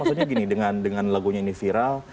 pertama nya gini dengan lagunya ini viral